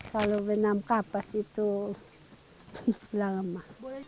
kalau benang kapas itu lama